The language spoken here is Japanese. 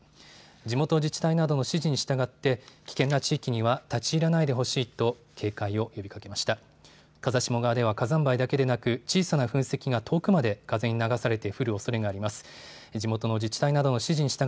地元自治体などの指示に従って危険な地域には立ち入らないでほしいと警戒を呼びかけました。